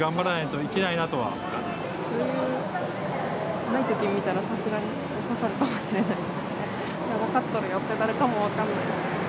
余裕がないとき見たら、さすがに刺さるかもしれませんね。